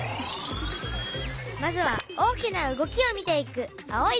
まずは大きな動きを見ていく青い動画。